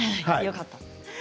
よかった。